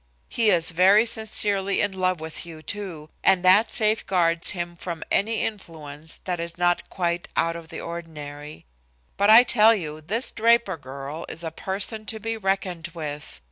He is very sincerely in love with you, too, and that safeguards him from any influence that is not quite out of the ordinary. "But I tell you this Draper girl is a person to be reckoned with.